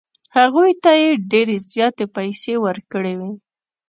هغوی ته یې ډېرې زیاتې پیسې ورکړې وې.